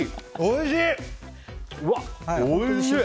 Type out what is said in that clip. おいしい！